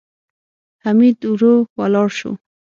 حميد ورو ولاړ شو.